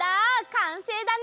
かんせいだね！